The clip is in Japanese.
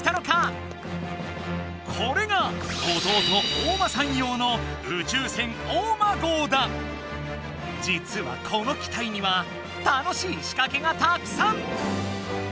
これが弟おうまさん用の実はこの機体には楽しいしかけがたくさん！